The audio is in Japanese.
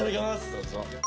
どうぞ。